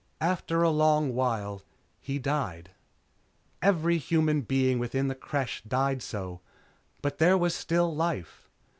After a long while, he died. Every human being within the Creche died so, but there was still life.